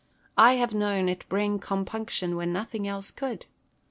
I have known it bring compunction when nothing else would.